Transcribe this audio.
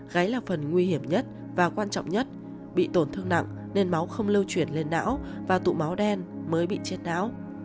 gáy là phần nguy hiểm nhất và quan trọng nhất bị tổn thương nặng nên máu không lưu chuyển lên não và tụ máu đen mới bị chết não